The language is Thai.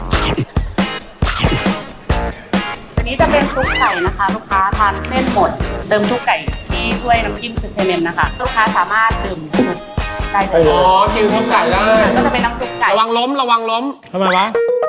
ก็จะเป็นน้ำซุปไข่ระวังล้มระวังล้มทำไมวะ